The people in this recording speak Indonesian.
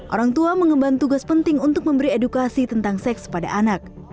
orang tua mengemban tugas penting untuk memberi edukasi tentang seks pada anak